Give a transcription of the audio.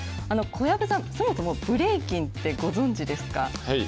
小籔さん、そもそもブレイキンってご存じですか。